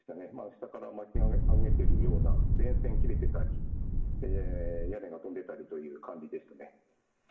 下から巻き上げてるような、電線切れてたり、屋根が飛んでいったりという感じですね。